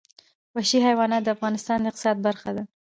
وحشي حیوانات د افغانستان د اقتصاد برخه ده.